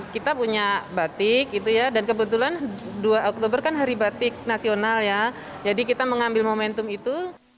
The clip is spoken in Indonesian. kita punya batik gitu ya dan kebetulan dua oktober kan hari batik nasional ya jadi kita mengambil momentum itu